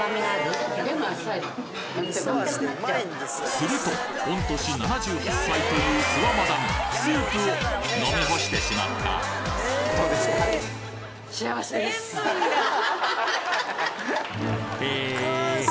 すると御年７８歳という諏訪マダムスープを飲み干してしまったハハハハ。